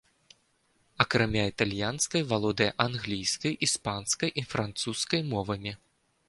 Акрамя італьянскай, валодае англійскай, іспанскай і французскай мовамі.